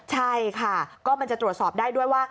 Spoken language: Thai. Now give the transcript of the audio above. ใช่ค่ะก็มันจะตรวจสอบได้ด้วยว่า